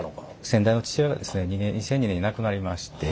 先代の父親がですね２００２年に亡くなりまして。